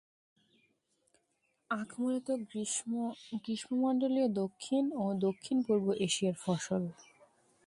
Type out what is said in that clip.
আখ মূলত গ্রীষ্মমন্ডলীয় দক্ষিণ ও দক্ষিণ-পূর্ব এশিয়ার ফসল।